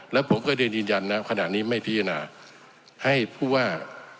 แล้วผมก็เรียนยืนยันนะขณะนี้ไม่พิจารณาให้ผู้ว่า